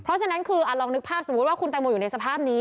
เพราะฉะนั้นคือลองนึกภาพสมมุติว่าคุณแตงโมอยู่ในสภาพนี้